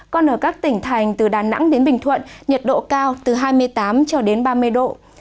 còn ở các tỉnh thành từ đà nẵng đến bình thuận nhiệt độ cao từ hai mươi tám cho đến ba mươi độ